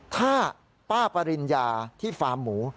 ถ้าป้าปริญญาที่ฟาร์มหมู